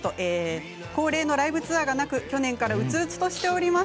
恒例のライブツアーがなく、去年からうつうつとしております。